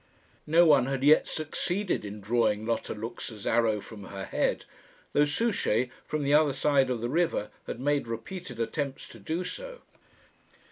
No one had yet succeeded in drawing Lotta Luxa's arrow from her head, though Souchey, from the other side of the river, had made repeated attempts to do so.